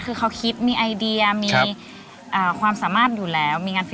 คือเขาคิดมีไอเดียมีความสามารถอยู่แล้ว